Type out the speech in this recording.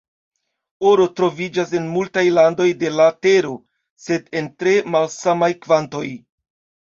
Oro troviĝas en multaj landoj de la Tero, sed en tre malsamaj kvantoj.